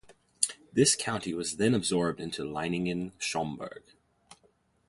This County was then absorbed into Leiningen-Schaumburg.